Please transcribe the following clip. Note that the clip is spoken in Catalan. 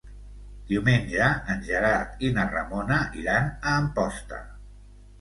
Diumenge en Gerard i na Ramona iran a Amposta.